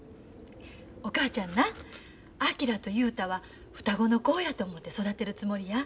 お母ちゃんな昭と雄太は双子の子やと思って育てるつもりや。